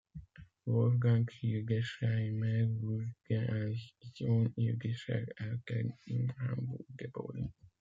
Wolfgang Hildesheimer wurde als Sohn jüdischer Eltern in Hamburg geboren.